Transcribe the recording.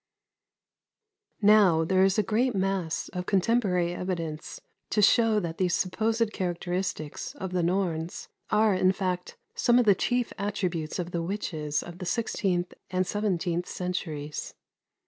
248.] 90. Now, there is a great mass of contemporary evidence to show that these supposed characteristics of the Norns are, in fact, some of the chief attributes of the witches of the sixteenth and seventeenth centuries.